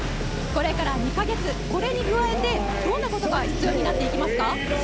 これから２か月これに加えてどんなことが必要になってきますか？